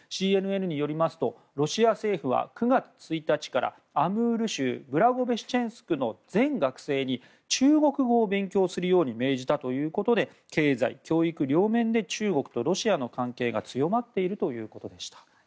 ＣＮＮによりますとロシア政府は９月１日からアムール州ブラゴベシチェンスクの全学生に中国語を勉強するよう命じたということで経済、教育両面で中国とロシアの関係が強まっているということでした。